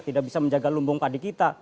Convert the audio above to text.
tidak bisa menjaga lumbung padi kita